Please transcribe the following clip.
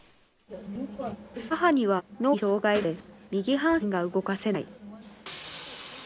母には脳に障害があって右半身が動かせない